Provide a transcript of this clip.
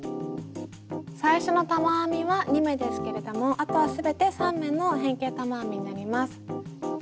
最初の玉編みは２目ですけれどもあとは全て３目の変形玉編みになります。